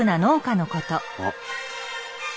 あっ。